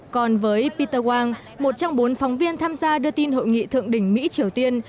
còn với peter wang một trong bốn phóng viên tham gia đưa tin hội nghị thượng đỉnh mỹ triều tiên